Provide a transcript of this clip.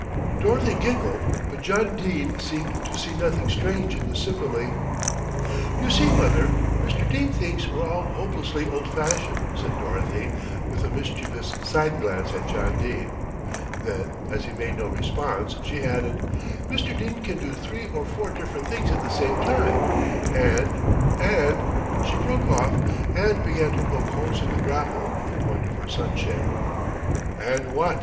Dorothy giggled; but John Dene seemed to see nothing strange in the simile. "You see, mother, Mr. Dene thinks we're all hopelessly old fashioned," said Dorothy with a mischievous side glance at John Dene; then, as he made no response, she added, "Mr. Dene can do three or four different things at the same time and and " She broke off and began to poke holes in the gravel with the point of her sunshade. "And what?"